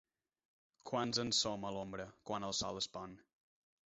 Quants en som a l'ombra, quan el sol es pon!